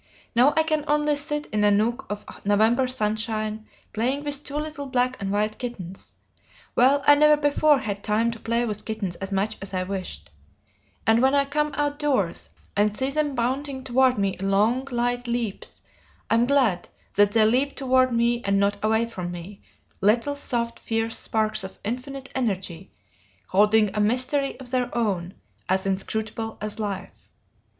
Now I can only sit in a nook of November sunshine, playing with two little black and white kittens. Well, I never before had time to play with kittens as much as I wished, and when I come outdoors and see them bounding toward me in long, light leaps, I am glad that they leap toward me and not away from me, little soft, fierce sparks of infinite energy holding a mystery of their own as inscrutable as life.